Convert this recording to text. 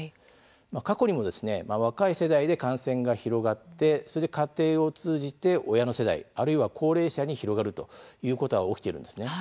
過去にも若い世代で感染が広がってそれが家庭を通じて親の世代あるいは高齢者に広がるということが起きています。